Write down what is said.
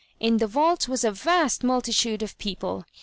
In the vault was a vast multitude of people.